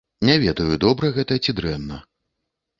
Не ведаю, добра гэта, ці дрэнна.